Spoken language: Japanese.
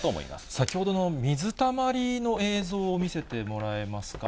先ほどの水たまりの映像を見せてもらえますか？